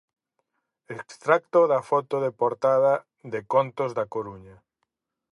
Extracto da foto de portada de 'Contos da Coruña'.